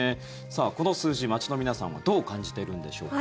この数字、街の皆さんはどう感じているんでしょうか。